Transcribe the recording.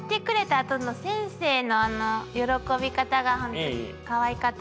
あとの先生のあの喜び方がかわいかったですよね。